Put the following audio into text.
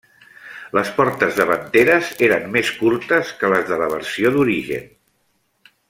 Les portes davanteres eren més curtes que les de la versió d'origen.